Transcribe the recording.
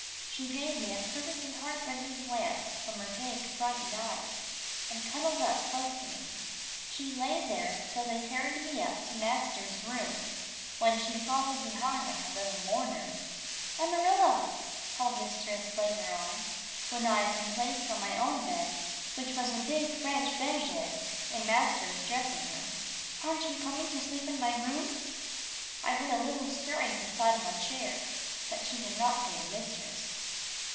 She gave me a perfectly heart rending glance from her big frightened eyes, and cuddled up close to me. She lay there till they carried me up to master's room, when she followed behind like a little mourner. "Amarilla!" called mistress later on, when I had been placed on my own bed which was a big French bergère in master's dressing room, "aren't you coming to sleep in my room?" I heard a little stirring beside my chair, but she did not go to mistress.